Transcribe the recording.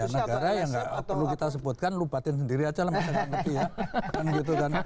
ya negara yang perlu kita sebutkan lubatin sendiri aja lah masyarakat media